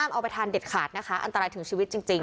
เอาไปทานเด็ดขาดนะคะอันตรายถึงชีวิตจริง